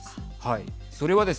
はい。